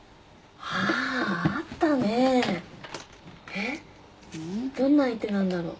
えっどんな相手なんだろう。